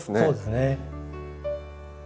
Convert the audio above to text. そうですね。